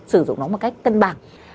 sử dụng nó một cách cân bằng